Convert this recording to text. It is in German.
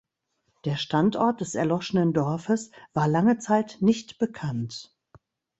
Der Standort des erloschenen Dorfes war lange Zeit nicht bekannt.